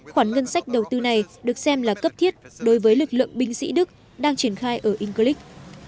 khoản ngân sách đầu tư này được xem là cấp thiết đối với lực lượng binh sĩ đức đang triển khai ở inglis